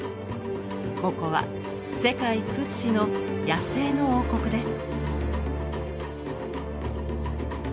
ここは世界屈指の「野生の王国」です。